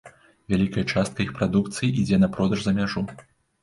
Вялікая частка іх прадукцыя ідзе на продаж за мяжу.